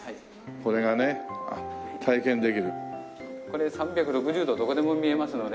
これ３６０度どこでも見えますので。